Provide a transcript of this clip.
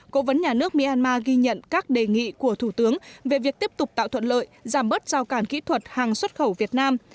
cố vấn nhà nước myanmar ghi nhận các đề nghị của thủ tướng về việc tiếp tục tạo thuận lợi giảm bớt giao cản kỹ thuật hàng xuất khẩu việt nam